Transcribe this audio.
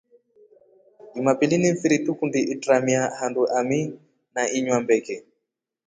Jumapili ni mfiri tukundi itramia handu ami na inya mbeke.